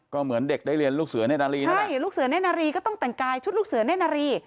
ก็เหมือนเด็กได้เรียนลูกเสือเนธนารีนะใช่ลูกเสือเน่นนารีก็ต้องแต่งกายชุดลูกเสือเน่นนารี